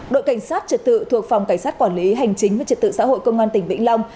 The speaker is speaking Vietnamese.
đội cảnh sát trật tự thuộc phòng cảnh sát quản lý hành chính với trật tự xã hội công an tỉnh vĩnh long